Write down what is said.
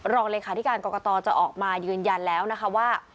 รองเลยค่ะที่การกอกตอจะออกมายืนยันแล้วนะคะว่า